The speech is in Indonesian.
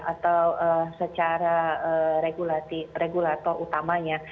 atau secara regulator utamanya